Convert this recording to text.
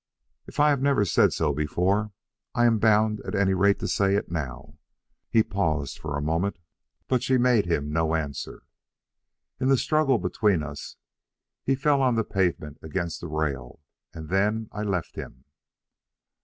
If I have never said so before, I am bound at any rate to say it now." He paused for a moment, but she made him no answer. "In the struggle between us he fell on the pavement against a rail; and then I left him."